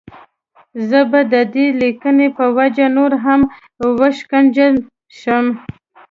زه به د دې ليکنې په وجه نور هم وشکنځل شم.